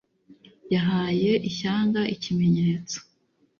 yahaye ishyanga ikimenyetso